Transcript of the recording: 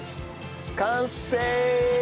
完成！